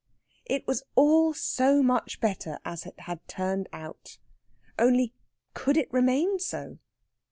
It was all so much better as it had turned out. Only, could it remain so?